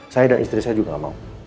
saya dan istri saya juga nggak mau